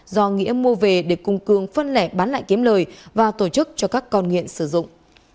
do nghĩa mua về để cùng cường phân lẻ bán lại kiếm lời và tổ chức cho các con nghiện sử dụng